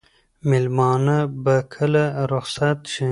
مېلمانه به کله رخصت شي؟